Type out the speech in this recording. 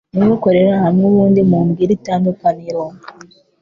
Nimukorera hamwe ubundi mumbwire itandukaniro